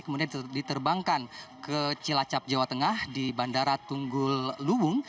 kemudian diterbangkan ke cilacap jawa tengah di bandara tunggul luwung